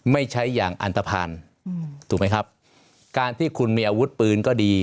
ไม่ใช้อย่างอันตภัณฑ์ถูกไหมครับการที่คุณมีอาวุธปืนก็ดี